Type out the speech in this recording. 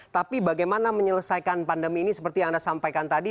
tapi bagaimana menyelesaikan pandemi ini seperti yang anda sampaikan tadi